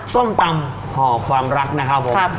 ส้มตำห่อความรักนะครับผม